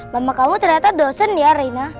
mama kamu ternyata dosen ya rina